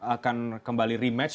akan kembali rematch